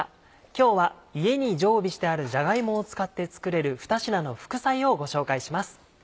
今日は家に常備してあるじゃが芋を使って作れる２品の副菜をご紹介します。